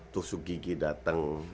tusuk gigi datang